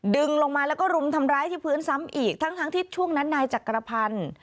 ดึงลงมาแล้วก็รุมทำร้ายที่พื้นซ้ำอีกทั้งทั้งที่ช่วงนั้นนายจักรพันธ์